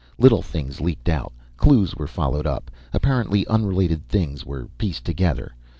Little things leaked out, clues were followed up, apparently unrelated things were pieced together.